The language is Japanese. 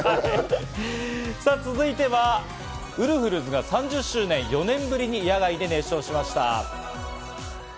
続いては、ウルフルズが３０周年、４年ぶりに野外で熱唱しました。